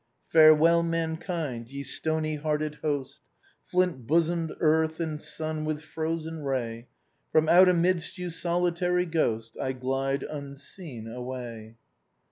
" Farewell mankind, ye stony hearted host, Flint bosomed earth and sun with frozen ray, From out amidst you, solitary ghost I glide unseen away."